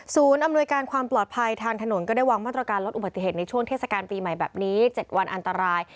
อำนวยการความปลอดภัยทางถนนก็ได้วางมาตรการลดอุบัติเหตุในช่วงเทศกาลปีใหม่แบบนี้๗วันอันตราย